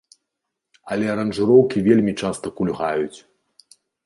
Але аранжыроўкі вельмі часта кульгаюць.